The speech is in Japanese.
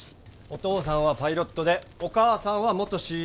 お父さんはパイロットでお母さんは元ＣＡ。